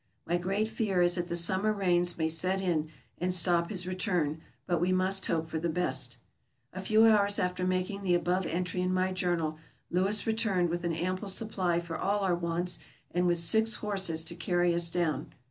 My great fear is that the summer rains may set in and stop his return, but we must hope for the best. A few hours after making the above entry in my journal Lewis returned with an ample supply for all our wants and with six horses to carry us down.